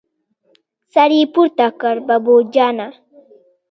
سر يې پورته کړ: بابو جانه!